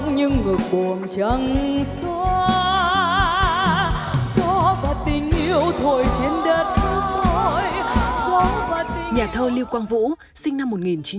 nhà thơ lưu quang vũ sinh năm một nghìn chín trăm bốn mươi tám